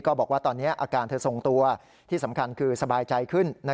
บอกว่าตอนนี้อาการเธอทรงตัวที่สำคัญคือสบายใจขึ้น